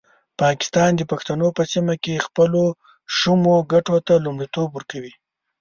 پاکستان د پښتنو په سیمه کې خپلو شومو ګټو ته لومړیتوب ورکوي.